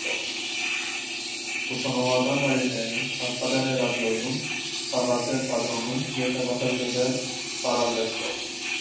Ուսանողական տարիներին աշխատել է ռադիոյում, խաղացել թատրոնում և հետաքրքրվել պարարվեստով։